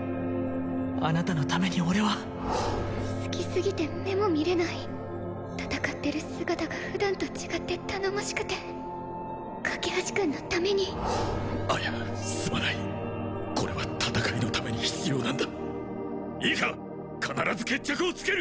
あなたのために俺は好きすぎて目も見れない戦ってる姿が普段と違って頼もしくて架橋君のためにあやすまないこれは戦いのために必要なんだいいか必ず決着をつける！